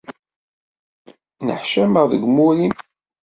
Neḥcameɣ deg umur-im.